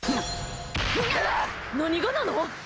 何がなの？